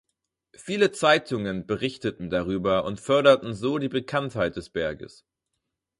Viele Zeitungen berichteten darüber und förderten so die Bekanntheit des Berges.